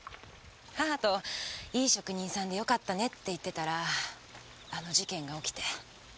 母と「いい職人さんで良かったね」って言ってたらあの事件が起きて。